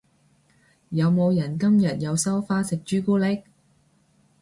有冇人今日有收花食朱古力？